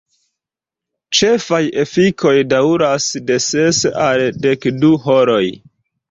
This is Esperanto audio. La ĉefaj efikoj daŭras de ses al dekdu horoj.